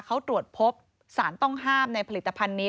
เขาตรวจพบสารต้องห้ามในผลิตภัณฑ์นี้